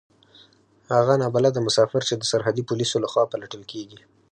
هغه نا بلده مسافر چې د سرحدي پوليسو له خوا پلټل کېږي.